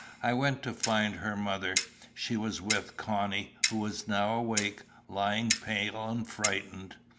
I went to find her mother. She was with Connie, who was now awake, lying pale and frightened.